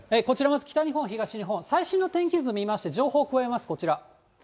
こちらまず北日本、東日本、最新の天気図見まして、情報を加えます、こちら。